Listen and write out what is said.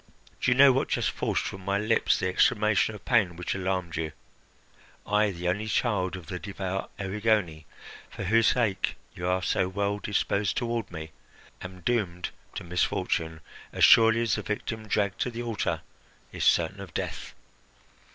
Do you know what just forced from my lips the exclamation of pain which alarmed you? I, the only child of the devout Erigone, for whose sake you are so well disposed toward me, am doomed to misfortune as surely as the victim dragged to the altar is certain of death.